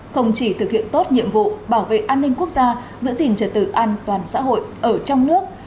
không chỉ thực hiện tốt nhiệm vụ bảo vệ an ninh quốc gia giữ gìn trật tự an toàn xã hội ở trong nước